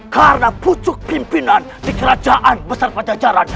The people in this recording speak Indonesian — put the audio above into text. karena pucuk pimpinan di kerajaan besar pajajaran